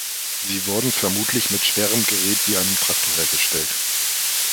Sie wurden vermutlich mit schwerem Gerät wie einem Traktor hergestellt.